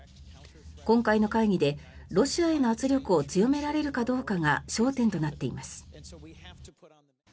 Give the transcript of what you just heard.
今回の会議でロシアへの圧力を強められるかどうかが焦点となっています。